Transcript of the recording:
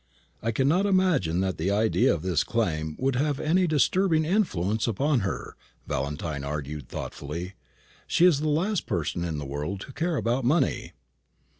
"I cannot imagine that the idea of this claim would have any disturbing influence upon her," Valentine argued, thoughtfully. "She is the last person in the world to care about money."